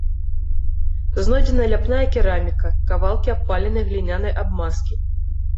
Знойдзена ляпная кераміка, кавалкі абпаленай глінянай абмазкі.